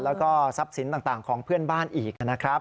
แล้วก็ทรัพย์สินต่างของเพื่อนบ้านอีกนะครับ